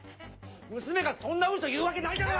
娘がそんなウソ言うわけないだろ！